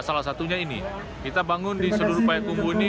salah satunya ini kita bangun di seluruh payakumbu ini